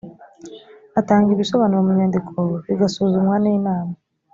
atanga ibisobanuro mu nyandiko bigasuzumwa n’ inama.